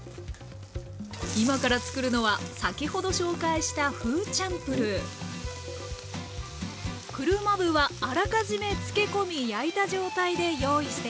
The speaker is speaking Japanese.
今から作るのは先ほど紹介したフーチャンプルー車麩はあらかじめ漬け込み焼いた状態で用意していました。